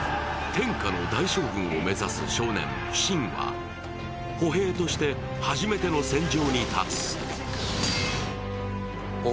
天下の大将軍を目指す少年、信は歩兵として初めての戦場に立つ。